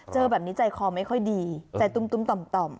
เจอแบบนี้ใจคอไม่ค่อยดีใจตุ้มต่อม